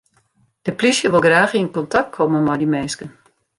De plysje wol graach yn kontakt komme mei dy minsken.